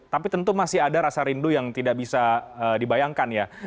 tapi tentu masih ada rasa rindu yang tidak bisa dibayangkan ya